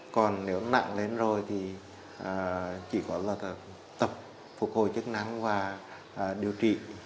còn nếu nặng lên rồi thì chỉ có là tập phục hồi chức năng và điều trị